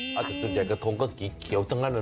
บานสุดใหญ่กระทงก็คือสีเขียวทั้งนั้นน่ะ